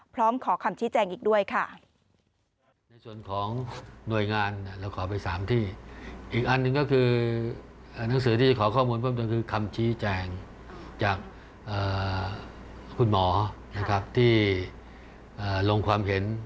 พร้อมขอคำชี้แจงอีกด้วยค่ะ